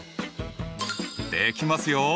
できますよ。